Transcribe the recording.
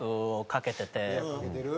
かけてる？